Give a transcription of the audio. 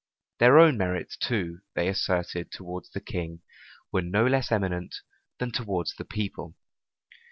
Their own merits too, they asserted, towards the king, were no less eminent than towards the people.